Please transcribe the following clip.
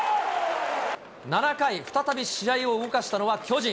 ７回、再び試合を動かしたのは巨人。